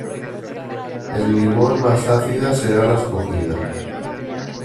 El limón más ácida será la escogida.